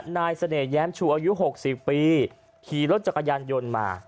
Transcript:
นายเสน่หแย้มชูอายุ๖๐ปีขี่รถจักรยานยนต์มา